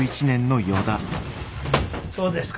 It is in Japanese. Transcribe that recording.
どうですか？